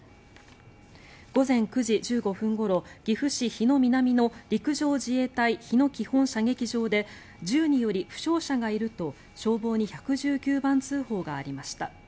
午前９時１５分ごろ岐阜市日野南の陸上自衛隊日野基本射撃場で銃により負傷者がいると、消防に１１９番通報がありました。